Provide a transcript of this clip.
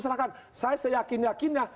diterahkan saya seyakin yakinnya